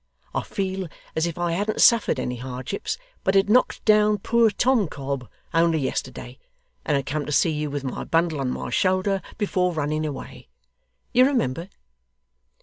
I feel as if I hadn't suffered any hardships, but had knocked down poor Tom Cobb only yesterday, and had come to see you with my bundle on my shoulder before running away. You remember?